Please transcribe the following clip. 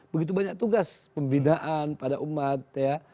begitu banyak tugas pembinaan pada umat ya